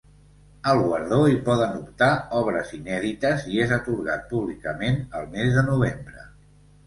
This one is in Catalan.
Al guardó hi poden optar obres inèdites i és atorgat públicament al mes de novembre.